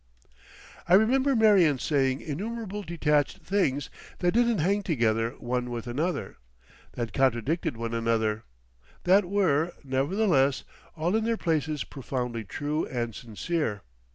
I remember Marion saying innumerable detached things that didn't hang together one with another, that contradicted one another, that were, nevertheless, all in their places profoundly true and sincere.